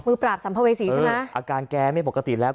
ปราบสัมภเวษีใช่ไหมอาการแกไม่ปกติแล้ว